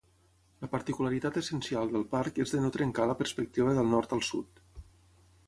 La particularitat essencial del parc és de no trencar la perspectiva del nord al sud.